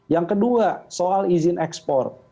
yang kedua soal izin ekspor